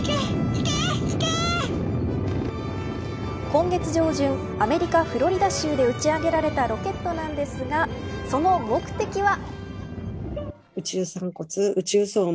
今月上旬、アメリカフロリダ州で打ち上げられたロケットなんですがその目的は。